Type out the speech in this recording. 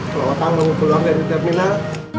kalo otang mau keluar dari terminal